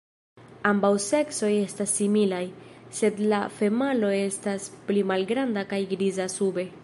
Ambaŭ seksoj estas similaj, sed la femalo estas pli malgranda kaj griza sube.